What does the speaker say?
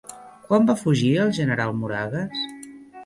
Quan va fugir el General Moragues?